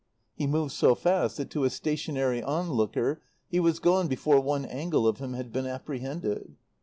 He moved so fast that to a stationary on looker he was gone before one angle of him had been apprehended.